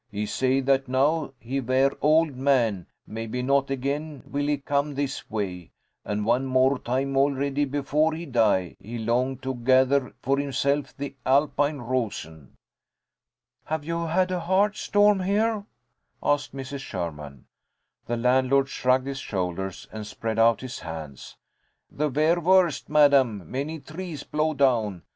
He say that now he vair old man, maybe not again will he come this way, and one more time already before he die, he long to gather for himself the Alpine rosen." "Have you had a hard storm here?" asked Mrs. Sherman. The landlord shrugged his shoulders and spread out his hands. "The vair worst, madame. Many trees blow down.